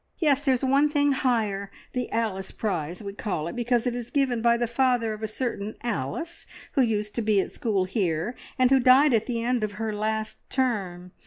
"Yes, there's one thing higher the `Alice Prize,' we call it, because it is given by the father of a certain Alice who used to be at school here, and who died at the end of her last term.